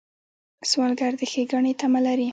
سوالګر د ښېګڼې تمه لري